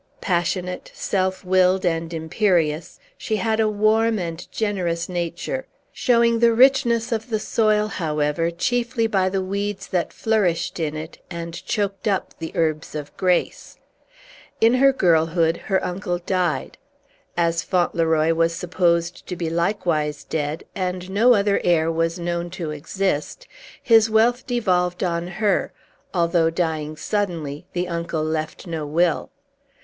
Passionate, self willed, and imperious, she had a warm and generous nature; showing the richness of the soil, however, chiefly by the weeds that flourished in it, and choked up the herbs of grace. In her girlhood her uncle died. As Fauntleroy was supposed to be likewise dead, and no other heir was known to exist, his wealth devolved on her, although, dying suddenly, the uncle left no will.